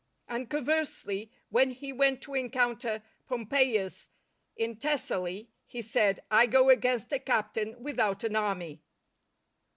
And, conversely, when he went to encounter Pompeius in Thessaly, he said, "I go against a captain without an army."